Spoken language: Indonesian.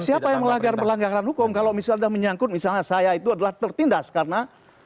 siapa yang melanggar pelanggaran hukum kalau misalnya menyangkut misalnya saya itu adalah tertindas karena